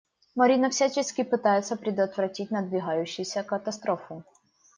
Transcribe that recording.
Марина всячески пытается предотвратить надвигающуюся катастрофу.